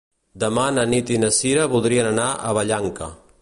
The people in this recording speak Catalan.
Demà na Nit i na Sira voldrien anar a Vallanca.